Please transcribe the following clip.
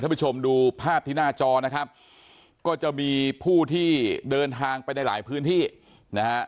ผู้ชมดูภาพที่หน้าจอนะครับก็จะมีผู้ที่เดินทางไปในหลายพื้นที่นะฮะ